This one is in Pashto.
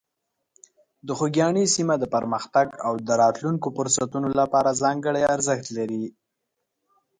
د خوږیاڼي سیمه د پرمختګ او د راتلونکو فرصتونو لپاره ځانګړې ارزښت لري.